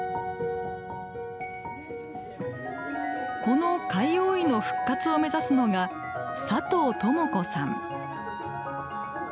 この貝覆いの復活を目指すのが佐藤朋子さん。